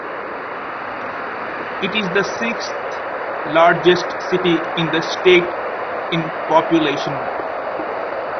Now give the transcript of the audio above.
It is the sixth-largest city in the state in population.